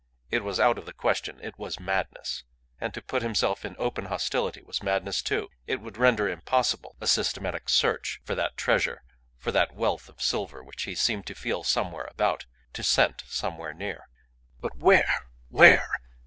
It was out of the question it was madness. And to put himself in open hostility was madness, too. It would render impossible a systematic search for that treasure, for that wealth of silver which he seemed to feel somewhere about, to scent somewhere near. But where? Where?